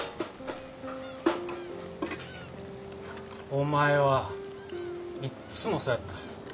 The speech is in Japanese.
お前はいっつもそやった。